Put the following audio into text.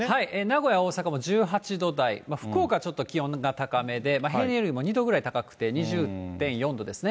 名古屋、大阪も１８度台、福岡はちょっと気温が高めで、平年よりも２度ぐらい高くて２０．４度ですね。